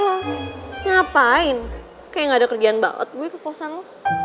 ke kosan lo ngapain kayak nggak ada kerjaan banget gue ke kosan lo